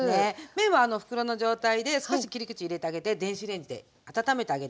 麺は袋の状態で少し切り口入れてあげて電子レンジで温めてあげて下さい。